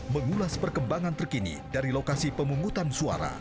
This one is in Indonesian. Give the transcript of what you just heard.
mengulas perkembangan terkini dari lokasi pemungutan suara